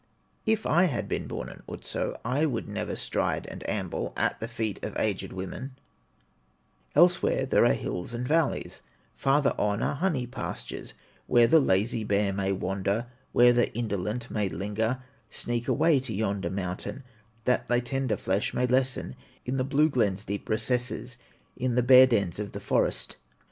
"If I had been born an Otso, I would never stride and amble At the feet of aged women; Elsewhere there are hills and valleys, Farther on are honey pastures, Where the lazy bear may wander, Where the indolent may linger; Sneak away to yonder mountain, That thy tender flesh may lessen, In the blue glen's deep recesses, In the bear dens of the forest.